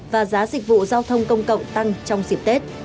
và giá dịch vụ giao thông công cộng tăng trong dịp tết